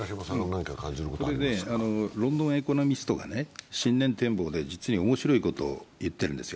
「ロンドンエコノミスト」が新年展望で実に面白いことを言っているんですよ。